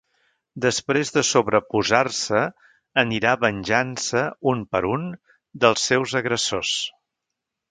Després de sobreposar-se, anirà venjant-se, un per un, dels seus agressors.